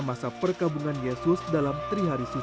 masa perkabungan yesus dalam terihari suci